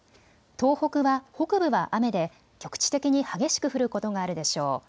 東北は北部は雨で局地的に激しく降ることがあるでしょう。